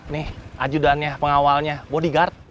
nih ajudannya pengawalnya bodyguard